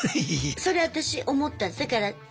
それ私思ったんです。